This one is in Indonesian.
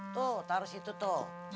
tuh taruh situ tuh